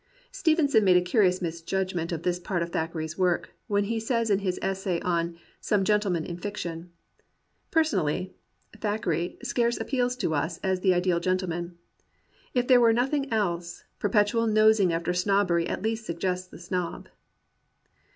Stevenson makes a curious misjudgment of this part of Thackeray's work, when he says in his essay on "Some Gentlemen in Fiction": "Personally [Thackeray] scarce appeals to us as the ideal gentleman; if there were nothing else, perpetual nosing after snobbery at least suggests the snob."